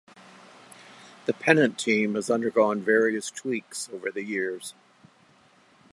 The pennant team has undergone various tweaks over the years.